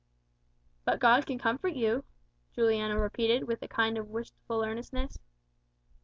"But God can comfort you," Juliano repeated with a kind of wistful earnestness.